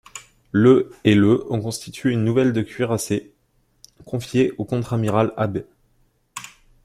Le et le ont constitué une nouvelle de Cuirassés, confiée au contre-amiral Abe.